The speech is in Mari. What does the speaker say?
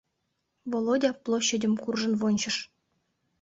Володя площадьым куржын вончыш.